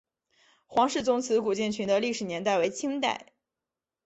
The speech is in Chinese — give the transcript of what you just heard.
黄氏宗祠古建群的历史年代为清代。